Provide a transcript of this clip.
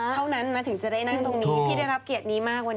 ชั้น๒๘วันได้เศร้านี่